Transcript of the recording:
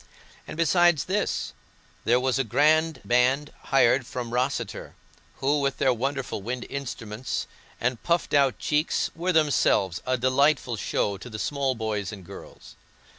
And, besides this, there was a grand band hired from Rosseter, who, with their wonderful wind instruments and puffed out cheeks, were themselves a delightful show to the small boys and girls.